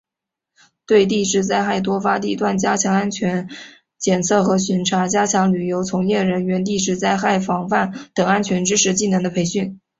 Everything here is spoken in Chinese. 对地质灾害多发地段加强安全监测和巡查；加强旅游从业人员地质灾害防范等安全知识技能的培训